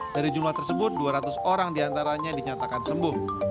dari jumlah tersebut dua ratus orang diantaranya dinyatakan sembuh